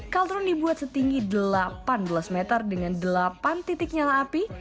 kaldron dibuat setinggi delapan belas meter dengan delapan titik nyala api